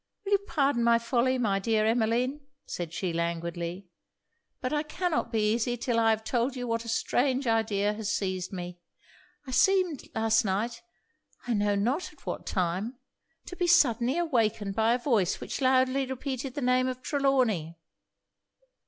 'Will you pardon my folly, my dear Emmeline,' said she languidly 'but I cannot be easy till I have told you what a strange idea has seized me. I seemed, last night, I know not at what time, to be suddenly awakened by a voice which loudly repeated the name of Trelawny.